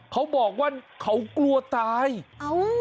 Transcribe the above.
เค้าบอกว่าเค้ากลัวตายเพราะจะหัวตาย